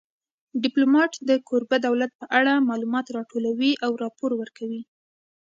ډیپلومات د کوربه دولت په اړه معلومات راټولوي او راپور ورکوي